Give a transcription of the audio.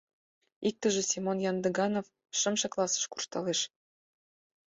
Иктыже, Семон Яндыганов, шымше классыш куржталеш.